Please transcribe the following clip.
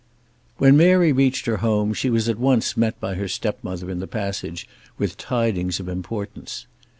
When Mary reached her home she was at once met by her stepmother in the passage with tidings of importance.